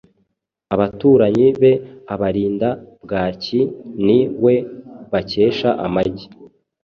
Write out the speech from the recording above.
Abaturanyi be abarinda bwaki, ni we bakesha amagi,